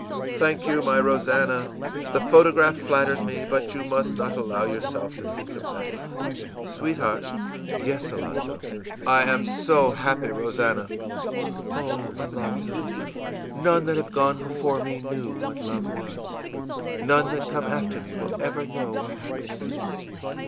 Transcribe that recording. ìThank you, my Rosannah! The photograph flatters me, but you must not allow yourself to think of that. Sweetheart?î ìYes, Alonzo.î ìI am so happy, Rosannah.î ìOh, Alonzo, none that have gone before me knew what love was, none that come after me will ever know what happiness is.